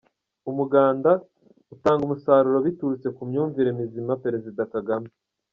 Umuganda utanga umusaruro biturutse ku myumvire mizima Perezida Kagame